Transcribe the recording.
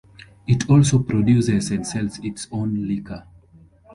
It also produces and sells its own liqueur.